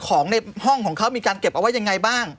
ของในห้องของเขามีการเก็บเอาไว้ยังไงบ้าง